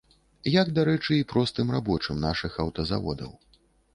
Як, дарэчы, і простым рабочым нашых аўтазаводаў.